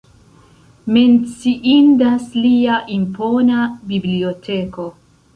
Menciindas lia impona biblioteko.